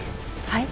はい？